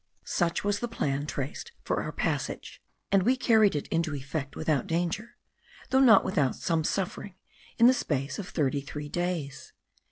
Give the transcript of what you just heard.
Such was the plan traced for our passage, and we carried it into effect without danger, though not without some suffering, in the space of thirty three days.